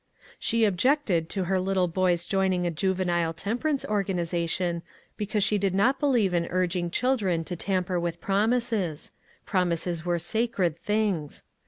She objected to her little boy's joining a juvenile temperance organization, because she did not believe in urging children to tam per with promises — promises were sacred things.